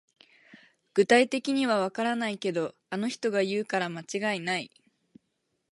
具体的にはわからないけど、あの人が言うから間違いない